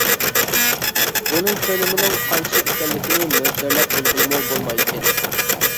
ئۇنىڭ كۆلىمىنىڭ قانچىلىك ئىكەنلىكىنى مۆلچەرلەپ بولغىلىمۇ بولمايدىكەن.